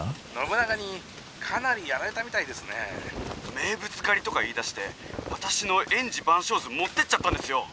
「名物狩りとか言いだして私の『煙寺晩鐘図』持ってっちゃったんですよ！